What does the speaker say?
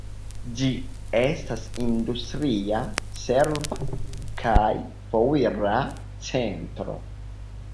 Ĝi estas industria, serva kaj foira centro.